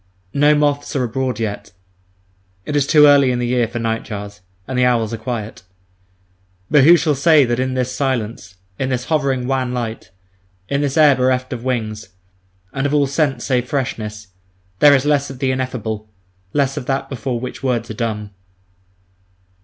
No moths are abroad yet; it is too early in the year for nightjars; and the owls are quiet. But who shall say that in this silence, in this hovering wan light, in this air bereft of wings, and of all scent save freshness, there is less of the ineffable, less of that before which words are dumb?